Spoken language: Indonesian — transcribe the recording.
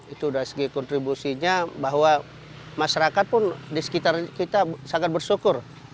itu dari segi kontribusinya bahwa masyarakat pun di sekitar kita sangat bersyukur